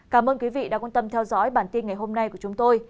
cảm ơn quý vị đã quan tâm theo dõi bản tin ngày hôm nay của chúng tôi